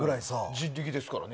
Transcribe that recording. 人力ですからね。